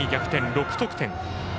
６得点。